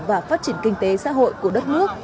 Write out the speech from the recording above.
và phát triển kinh tế xã hội của đất nước